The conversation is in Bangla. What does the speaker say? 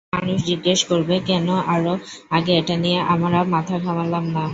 মানুষ জিজ্ঞেস করবে কেন আরো আগে এটা নিয়ে আমরা মাথা ঘামালাম না!